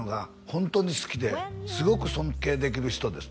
「ホントに好きですごく尊敬できる人です」